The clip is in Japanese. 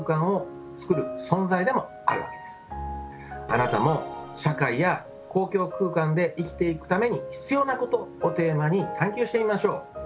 あなたも「社会や公共空間で生きていくために必要なこと」をテーマに探究してみましょう。